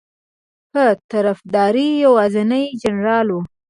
په طرفداری یوازینی جنرال ؤ